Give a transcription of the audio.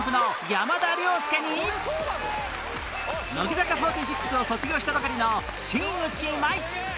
乃木坂４６を卒業したばかりの新内眞衣